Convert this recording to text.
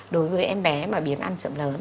đối với em bé mà biến ăn chậm lớn